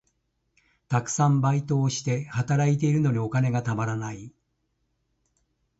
たくさんバイトをして、働いているのにお金がたまらない。